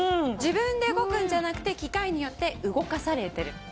自分で動くんじゃなくて機械によって動かされてる。